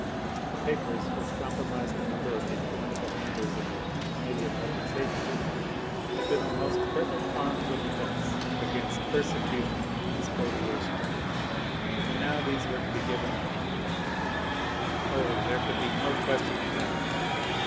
The papers which compromised a number of influential members of the Committee of Public Safety had been the most perfect arms of defence against persecution and spoliation. And now these were to be given up: Oh! there could be no question of that.